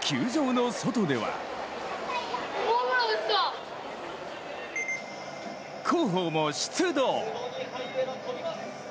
球場の外では広報も出動。